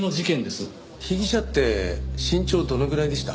被疑者って身長どのぐらいでした？